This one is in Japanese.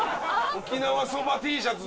沖縄そばＴシャツ。